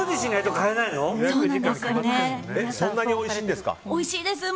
そんなにおいしいんですか？